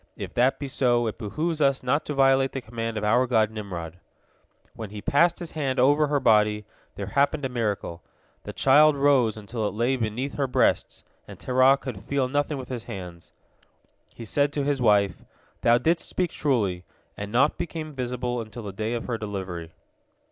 If that be so, it behooves us not to violate the command of our god Nimrod." When he passed his hand over her body, there happened a miracle. The child rose until it lay beneath her breasts, and Terah could feel nothing with his hands. He said to his wife, "Thou didst speak truly," and naught became visible until the day of her delivery.